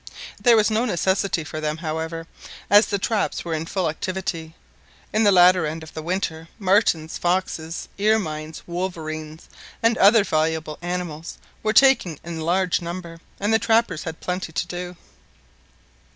There was no necessity for them, however, as the traps were in full activity. In the latter end of the winter, martens, foxes, ermines, wolverines, and other valuable animals were taken in large numbers, and the trappers had plenty to do.